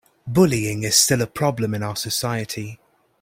Bullying is still a problem in our society.